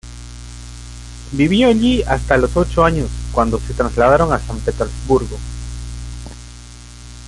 Vivió allí hasta los ocho años, cuando se trasladaron a San Petersburgo.